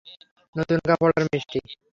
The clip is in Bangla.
নতুন কাপড় আর মিষ্টি?